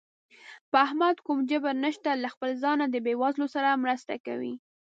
په احمد کوم جبر نشته، له خپله ځانه د بېوزلو سره مرسته کوي.